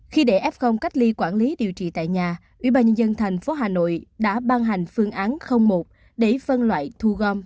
khi đệ f cách ly quản lý điều trị tại nhà ubnd tp hcm đã ban hành phương án một để phân loại thu gom